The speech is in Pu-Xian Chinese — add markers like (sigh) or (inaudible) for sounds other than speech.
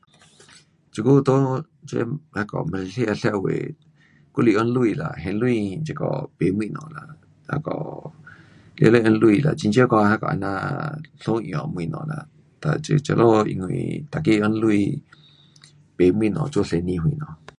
(noise) 这久在这那个马来西亚社会还是用钱啦，现钱这个买东西啦,那个全部用钱啦，很少讲这样那样 um 相换的东西啦。哒，这，这里因为每个用钱买东西做生意什么。